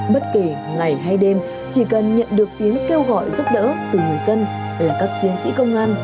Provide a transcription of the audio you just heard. bất kể ngày hay đêm chỉ cần nhận được tiếng kêu gọi giúp đỡ từ người dân là các chiến sĩ công an